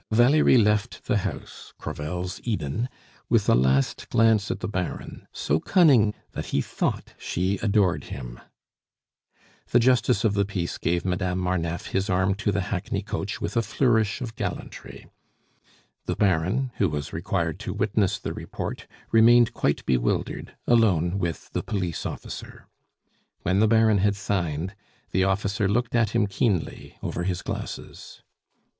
Valerie left the house, Crevel's Eden, with a last glance at the Baron, so cunning that he thought she adored him. The Justice of the Peace gave Madame Marneffe his arm to the hackney coach with a flourish of gallantry. The Baron, who was required to witness the report, remained quite bewildered, alone with the police officer. When the Baron had signed, the officer looked at him keenly, over his glasses.